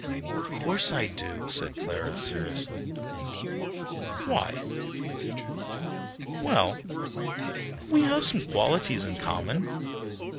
"Of course I do," said Clara seriously. "Why?" "Well, we have some qualities in common.